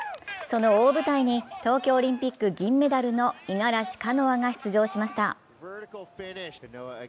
その大舞台に東京オリンピック銀メダルの五十嵐カノアが出場しました。